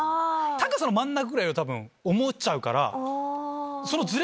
高さの真ん中ぐらいを思っちゃうから。